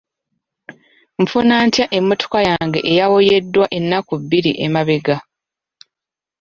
Nfuna ntya emmotoka yange eyaboyeddwa ennaku bbiri emabega?